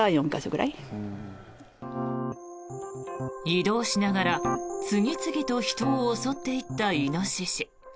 移動しながら次々と人を襲っていったイノシシ。